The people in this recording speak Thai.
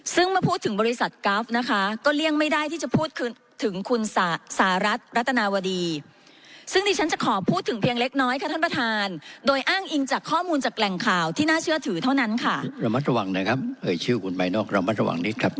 ซึ่งมาพูดถึงบริษัทกราฟนะคะก็เลี่ยงไม่ได้ที่จะพูดถึงคุณสารัสรัตนาวดีซึ่งดิฉันจะขอพูดถึงเพียงเล็กน้อยค่ะท่านประธานโดยอ้างอิงจากข้อมูลจากแหล่งข่าวที่น่าเชื่อถือเท่านั้นค่ะ